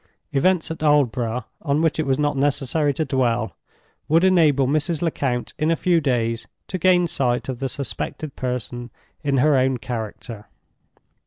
Events at Aldborough, on which it was not necessary to dwell, would enable Mrs. Lecount in a few days to gain sight of the suspected person in her own character.